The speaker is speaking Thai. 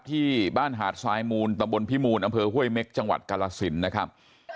ที่บ้านหาดทรายมูลตะบนพิมูลอำเภอห้วยเม็กจังหวัดกาลสินนะครับ